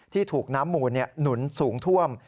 ถูกน้ำมูลหนุนสูงท่วม